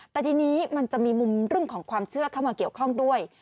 แต่ทีนี้มันจะมีมุมเรื่องของความเชื่อเข้ามาเกี่ยวข้องด้วย